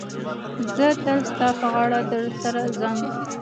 زه تل ستا پر غاړه در سره ځم.